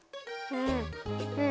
うん。